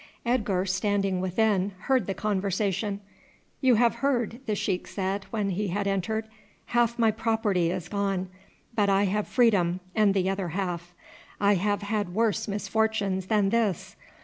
Edgar, standing within, heard the conversation. "You have heard," the sheik said when he had entered; "half my property is gone, but I have freedom and the other half. I have had worse misfortunes than this.